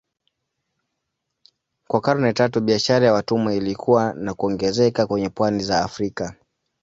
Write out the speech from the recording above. Kwa karne tatu biashara ya watumwa ilikua na kuongezeka kwenye pwani za Afrika.